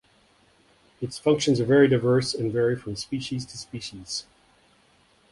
Its functions are very diverse and vary from species to species.